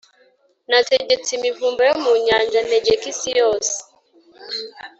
Nategetse imivumba yo mu nyanja, ntegeka isi yose,